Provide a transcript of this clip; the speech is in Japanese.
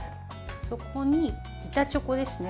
そこに板チョコですね。